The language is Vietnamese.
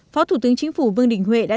phó thủ tướng chính phủ vương đình huệ đã